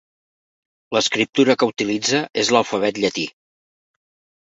L'escriptura que utilitza és l'alfabet llatí.